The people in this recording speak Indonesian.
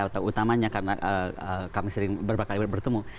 atau utamanya karena kami sering berbakat bakat bertemu